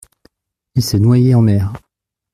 Il s’est noyé en mer.